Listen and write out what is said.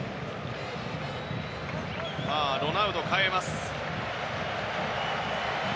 ロナウドを代えます。